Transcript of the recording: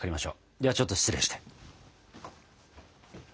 ではちょっと失礼して。